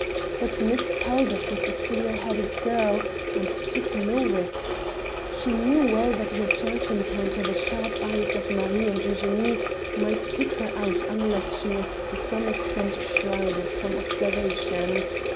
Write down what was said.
But Miss Talbot was a clearheaded girl and took no risks. She knew well that in a chance encounter the sharp eyes of Marie and Eugenie might pick her out unless she was to some extent shrouded from observation.